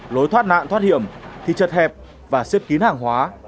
lối thoát nạn thoát hiểm thì chật hẹp và xếp kín hàng hóa